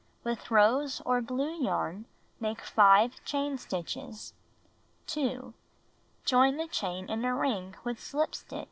With rose or blue yarn make 5 chain stitches. 2. Join the chain in a ring with shp stitch. 3.